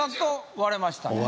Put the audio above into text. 割れましたね